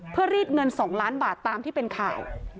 เพื่อรีดเงิน๒ล้านบาทตามที่เป็นข่าว